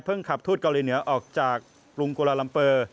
ขับทูตเกาหลีเหนือออกจากกรุงกุลาลัมเปอร์